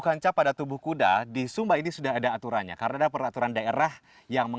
kalau dikasih itu sudah persilangan